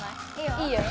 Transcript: いいよ。